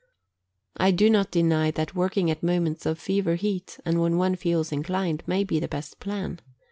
I do not deny that working at moments of fever heat, and when one feels inclined, may be the best plan.